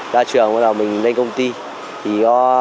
ra trường bắt đầu mình lên công ty